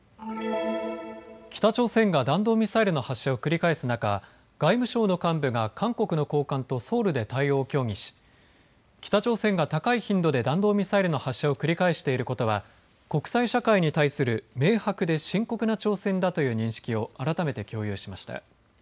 北朝鮮が弾道ミサイルの発射を繰り返す中、外務省の幹部が韓国の高官とソウルで対応を協議し北朝鮮が高い頻度で弾道ミサイルの発射を繰り返していることは国際社会に対する明白で深刻な挑戦だという認識を改めて共有しました。